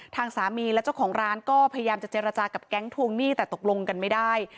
ทางสามีและเจ้าของร้านก็พยายามจะเจรจากับแก๊งทวงหนี้แต่ตกลงกันไม่ได้